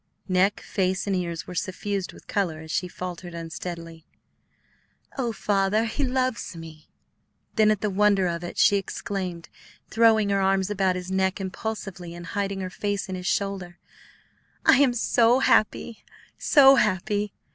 Neck, face, and ears were suffused with color as she faltered unsteadily, "Oh, Father, he loves me." Then at the wonder of it, she exclaimed, throwing her arms about his neck impulsively and hiding her face in his shoulder, "I am so happy, so happy!